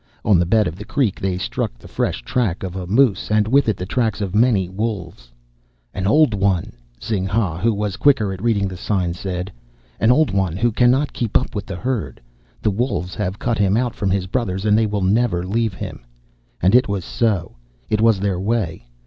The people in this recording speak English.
On the bed of the creek they struck the fresh track of a moose, and with it the tracks of many wolves. "An old one," Zing ha, who was quicker at reading the sign, said "an old one who cannot keep up with the herd. The wolves have cut him out from his brothers, and they will never leave him." And it was so. It was their way.